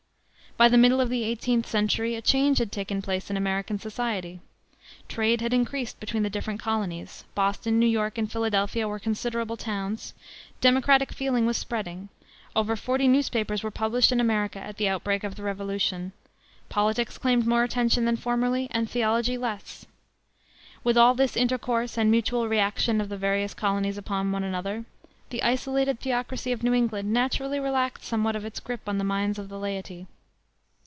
By the middle of the eighteenth century a change had taken place in American society. Trade had increased between the different colonies; Boston, New York, and Philadelphia were considerable towns; democratic feeling was spreading; over forty newspapers were published in America at the outbreak of the Revolution; politics claimed more attention than formerly, and theology less. With all this intercourse and mutual reaction of the various colonies upon one another, the isolated theocracy of New England naturally relaxed somewhat of its grip on the minds of the laity.